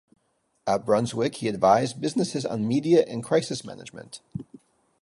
At Brunswick, he advised businesses on media and crisis management.